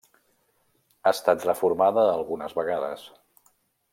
Ha estat reformada algunes vegades.